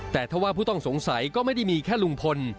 แต่ถ้าว่าผู้ต้องสงสัยก็ไม่ได้มีแค่ลุงพล